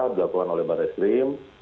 dilakukan oleh barreskrim